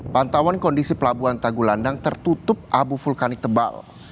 pantauan kondisi pelabuhan tanggulandang tertutup abu vulkanik tebal